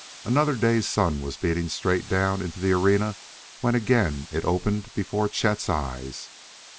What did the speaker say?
Another day's sun was beating straight down into the arena when again it opened before Chet's eyes.